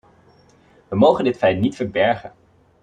We mogen dit feit niet verbergen.